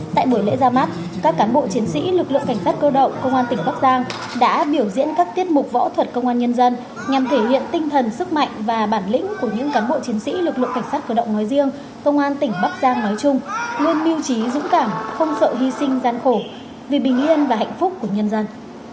tại buổi lễ ra mắt các cán bộ chiến sĩ lực lượng cảnh sát cơ động công an tỉnh bắc giang đã biểu diễn các tiết mục võ thuật công an nhân dân nhằm thể hiện tinh thần sức mạnh và bản lĩnh của những cán bộ chiến sĩ lực lượng cảnh sát cơ động nói riêng công an tỉnh bắc giang nói chung luôn miêu trí dũng cảm không sợ hy sinh gian khổ vì bình yên và hạnh phúc của nhân dân